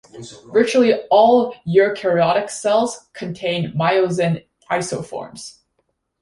Virtually all eukaryotic cells contain myosin isoforms.